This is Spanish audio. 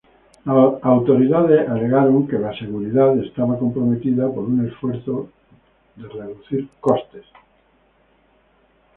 Las autoridades alegaron que la seguridad estaba comprometida por un esfuerzo de reducir costes.